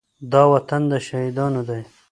دا وطن د شهيدانو دی.